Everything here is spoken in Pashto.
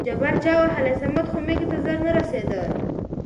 جبار: چا وهلى؟ صمد خو مېږي ته زر نه رسېده.